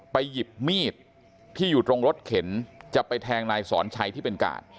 หยิบมีดที่อยู่ตรงรถเข็นจะไปแทงนายสอนชัยที่เป็นกาด